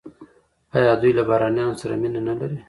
آیا دوی له بهرنیانو سره مینه نلري؟